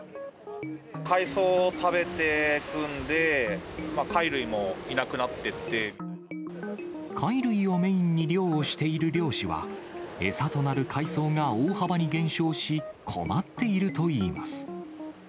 海藻を食べてくんで、貝類も貝類をメインに漁をしている漁師は、餌となる海藻が大幅に減少し、困っているといいます。